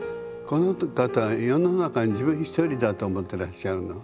この方は世の中に自分一人だと思ってらっしゃるの。